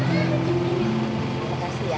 terima kasih ya